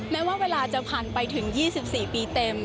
แม้ว่าเวลาจะผ่านไปถึง๒๔ปีเต็ม